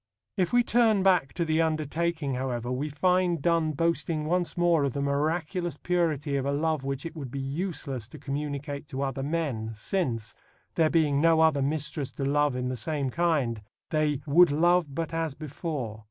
If we turn back to The Undertaking, however, we find Donne boasting once more of the miraculous purity of a love which it would be useless to communicate to other men, since, there being no other mistress to love in the same kind, they "would love but as before."